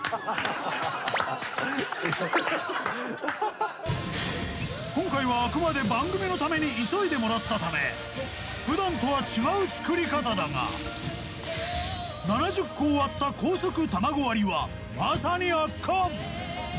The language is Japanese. ハハハハハハいや今回はあくまで番組のために急いでもらったため普段とは違う作り方だが７０個を割った高速卵割りはまさに圧巻！